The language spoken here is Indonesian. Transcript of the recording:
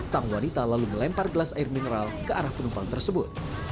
sang wanita lalu melempar gelas air mineral ke arah penumpang tersebut